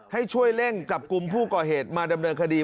ให้ช่วยเร่งจับกลุ่มผู้ก่อเหตุมาดำเนินคดี